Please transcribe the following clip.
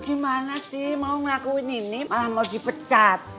gimana sih mau ngelakuin ini malah mau dipecat